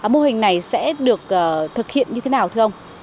mô hình này sẽ được thực hiện như thế nào thưa ông